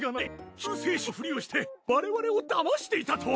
救世主のフリをして我々をだましていたとは。